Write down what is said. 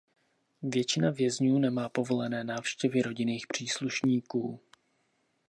Většina vězňů nemá povolené návštěvy rodinných příslušníků.